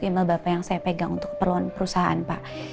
email bapak yang saya pegang untuk keperluan perusahaan pak